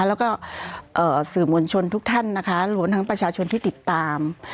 แล้วก็สื่อมวลชนทุกท่านนะคะรวมทั้งประชาชนที่ติดตาม